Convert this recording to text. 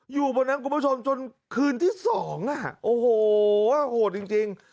อยู่บนน้ำคุณผู้ชมจนคืนที่สองอ่ะโอ้โหโหดจริง